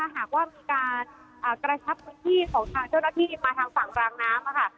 หากว่ามีการกระชับพื้นที่ของทางเจ้าหน้าที่มาทางฝั่งรางน้ำค่ะ